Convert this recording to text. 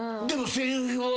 でも。